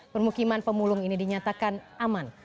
permukiman pemulung ini dinyatakan aman